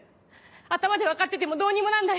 頭で分かっててもどうにもなんない。